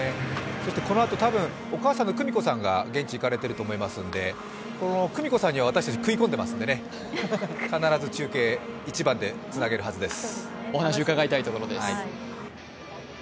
このあと多分、お母さんの久美子さんが現地に行かれてると思いますので久美子さんには私たち食い込んでますんでね、必ず中継、一番でつなげるはずです